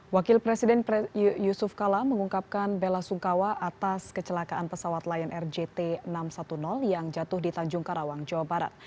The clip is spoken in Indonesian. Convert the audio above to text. wakil presiden yusuf kala mengungkapkan bela sungkawa atas kecelakaan pesawat lion air jt enam ratus sepuluh yang jatuh di tanjung karawang jawa barat